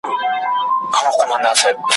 د لمر وړانګي خوب او خیال ورته ښکاریږي ,